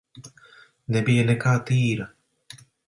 Nebija nekā tīra.